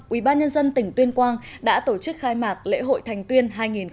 ubnd tỉnh tuyên quang đã tổ chức khai mạc lễ hội thành tuyên hai nghìn một mươi chín